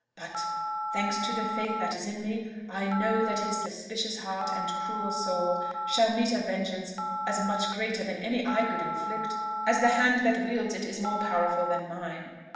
But, thanks to the faith that is in me, I know that his suspicious heart and cruel soul shall meet a vengeance as much greater than any I could inflict, as the hand that wields it is more powerful than mine!